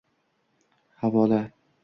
havola 👇👇👇